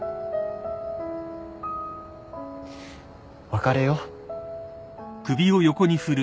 別れよう。